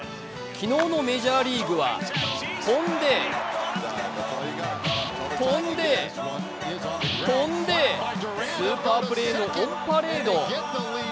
昨日のメジャーリーグは飛んで、飛んで、飛んでスーパープレーのオンパレード。